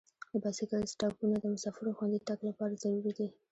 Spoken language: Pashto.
د بایسکل سټاپونه د مسافرو خوندي تګ لپاره ضروري دي.